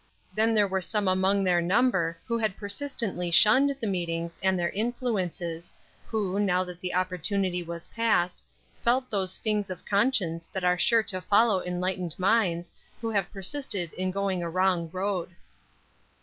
Then there were some among their number who had persistently shunned the meetings and their influences, who, now that the opportunity was passed, felt those stings of conscience that are sure to follow enlightened minds, who have persisted in going a wrong road.